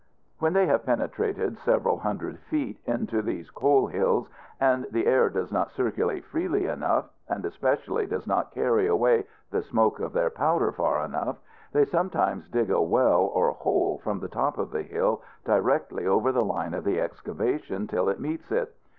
When they have penetrated several hundred feet into these coal hills, and the air does not circulate freely enough, and especially does not carry away the smoke of their powder far enough, they sometimes dig a well or hole from the top of the hill directly over the line of the excavation till it meets it.